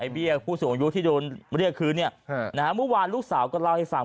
เมื่อวานลูกสาวก็เล่าให้ฟัง